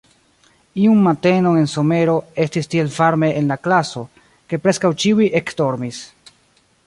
Iun matenon en somero, estis tiel varme en la klaso, ke preskaŭ ĉiuj ekdormis.